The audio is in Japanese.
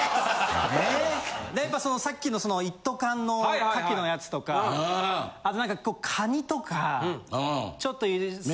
やっぱさっきのその一斗缶の牡蠣のやつとかあと何かカニとかちょっと。